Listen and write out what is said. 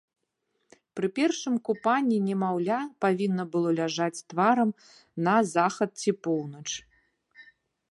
Пры першым купанні немаўля павінна было ляжаць тварам на захад ці поўнач.